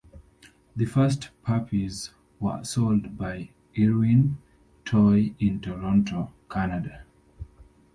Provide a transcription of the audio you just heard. The first puppies were sold by Irwin Toy in Toronto, Canada.